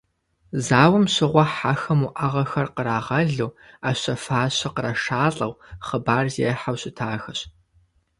Зауэм щыгъуэ хьэхэм уӏэгъэхэр кърагъэлу, ӏэщэ-фащэ кърашалӏэу, хъыбар зехьэу щытахэщ.